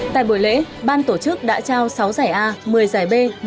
tại buổi lễ ban tổ chức đã trao sáu giải a một mươi giải b